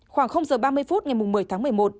khoảng giờ ba mươi phút ngày một mươi tháng một mươi một